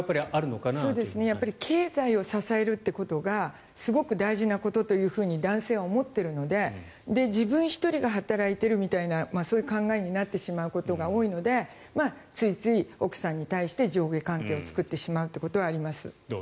経済を支えるということがすごく大事なことというふうに男性は思っているので自分１人が働いているみたいなそういう考えになってしまうことが多いのでついつい奥さんに対して上下関係を作ってしまうということがあります。